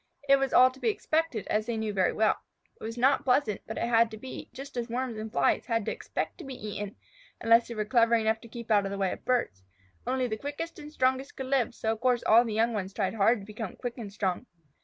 It was all to be expected, as they knew very well. It was not pleasant, but it had to be, just as Worms and Flies had to expect to be eaten, unless they were clever enough to keep out of the way of birds. Only the quickest and strongest could live, so of course all the young ones tried hard to become quick and strong.